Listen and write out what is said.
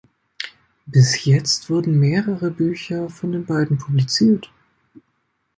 Bis jetzt wurden mehrere Bücher von den beiden publiziert.